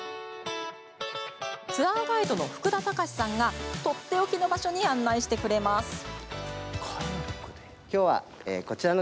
ツアーガイドの福田高士さんがとっておきの場所に案内してくれます。